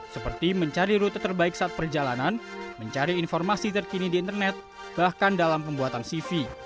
seperti mencari rute terbaik saat perjalanan mencari informasi terkini di internet bahkan dalam pembuatan cv